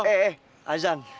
eh eh azan